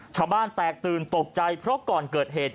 ชาวบ้านแตกตื่นตกใจเพราะก่อนเกิดเหตุ